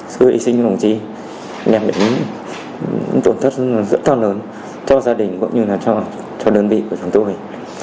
sư huy sinh đồng chí ném đến tổn thất rất to lớn cho gia đình cũng như là cho đơn vị của chúng tôi